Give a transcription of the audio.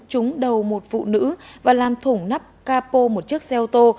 trúng đầu một phụ nữ và làm thủng nắp capo một chiếc xe ô tô